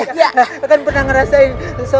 dia aja dia aja